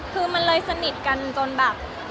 คือมันเลยสนิทกันจนแบบ